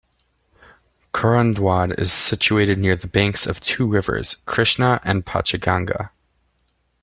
Kurundwad is situated near the banks of two rivers, Krishna and Panchaganga.